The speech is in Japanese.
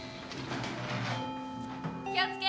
気を付け。